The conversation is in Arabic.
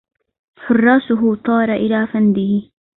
حُراسه طار إلى فنده